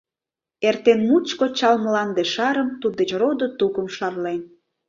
Эртен мучко чал Мланде шарым: туддеч родо тукым шарлен…